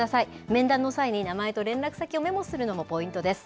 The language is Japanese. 面談の際に、名前と連絡先をメモするのもポイントです。